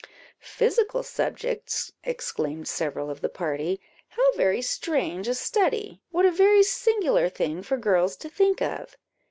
"Physical subjects!" exclaimed several of the party; "how very strange a study! what a very singular thing for girls to think of!"